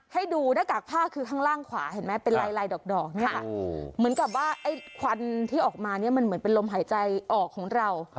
ให้ดูหน้ากากผ้าคือข้างล่างขวาเห็นไหมเป็นลายลายดอกเนี่ยค่ะเหมือนกับว่าไอ้ควันที่ออกมาเนี่ยมันเหมือนเป็นลมหายใจออกของเรา